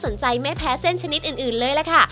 ญี่ปุ่นเลยฮะ